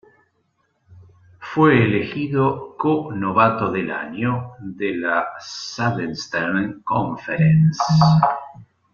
Fue elegido co-novato del año de la Southeastern Conference.